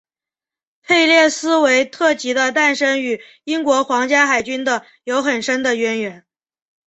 佩列斯韦特级的诞生与英国皇家海军的有很深的渊源。